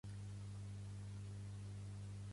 Collons amb Déu!